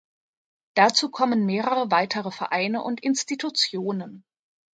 Dazu kommen mehrere weitere Vereine und Institutionen.